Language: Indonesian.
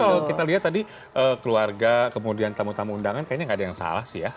kalau kita lihat tadi keluarga kemudian tamu tamu undangan kayaknya nggak ada yang salah sih ya